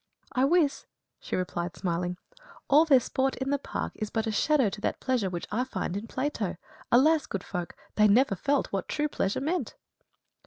"I wis," she replied, smiling, "all their sport in the park is but a shadow to that pleasure that I find in Plato. Alas! good folk, they never felt what true pleasure meant."